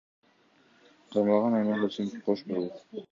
Кармалган Айнура Сим кош бойлуу.